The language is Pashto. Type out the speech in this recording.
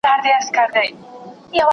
¬ اوبه په اوبو گډېږي.